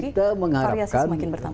variasi semakin bertambah